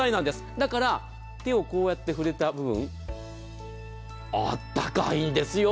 だから、手をこうやって触れた部分あったかいんですよ。